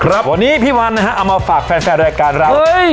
วันนี้พี่วันนะฮะเอามาฝากแฟนแฟนรายการเรา